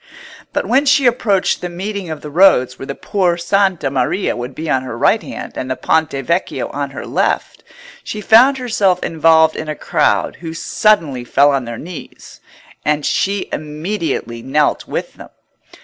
But when she approached the meeting of the roads where the Por' Santa Maria would be on her right hand and the Ponte Vecchio on her left, she found herself involved in a crowd who suddenly fell on their knees; and she immediately knelt with them.